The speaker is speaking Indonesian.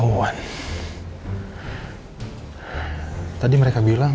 orang numbers udah sempet